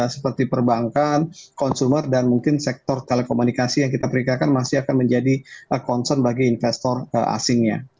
jadi tadi kalau sektor kita melihat bahwa masih sektor sektor kuat ya seperti perbankan consumer dan mungkin sektor telekomunikasi yang kita perikirkan masih akan menjadi concern bagi investor asingnya